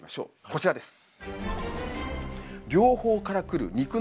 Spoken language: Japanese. こちらです。